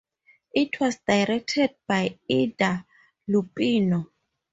It was directed by Ida Lupino.